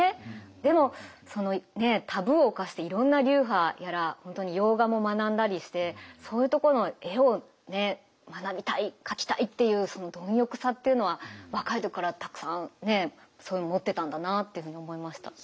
でもタブーを犯していろんな流派やら本当に洋画も学んだりしてそういうとこの絵をね学びたい描きたいっていうその貪欲さっていうのは若い時からたくさんね持ってたんだなっていうふうに思いました。